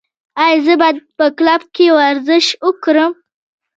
ایا زه باید په کلب کې ورزش وکړم؟